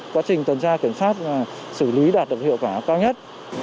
quá trình tuần tra kiểm soát xử lý đạt được hiệu quả cao nhất